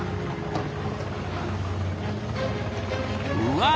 うわ！